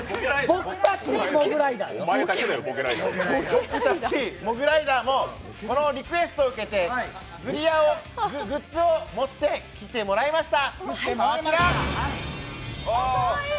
僕たちモグライダーもこのリクエストを受けてグッズを持ってきてもらいました。